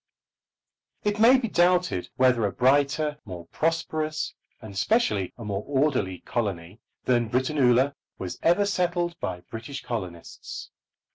It may be doubted whether a brighter, more prosperous, and specially a more orderly colony than Britannula was ever settled by British colonists.